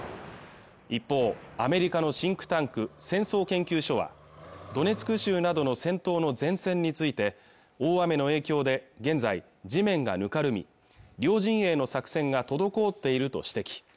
一方アメリカのシンクタンク戦争研究所はドネツク州などの戦闘の前線について大雨の影響で現在地面がぬかるみ両陣営の作戦が滞っていると指摘